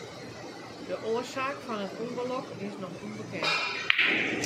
De oarsaak fan it ûngelok is noch ûnbekend.